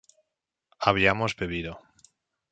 habíamos bebido